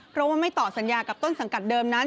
เพราะว่าไม่ต่อสัญญากับต้นสังกัดเดิมนั้น